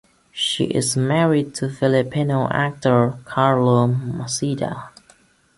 She is married to Filipino actor Carlo Maceda.